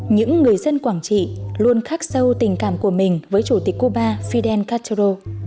những người dân quảng trị luôn khắc sâu tình cảm của mình với chủ tịch cuba fidel castro